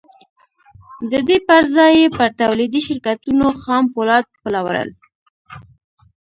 د دې پر ځای يې پر توليدي شرکتونو خام پولاد پلورل.